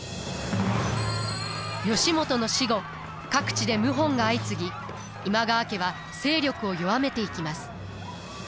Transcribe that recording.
義元の死後各地で謀反が相次ぎ今川家は勢力を弱めていきます。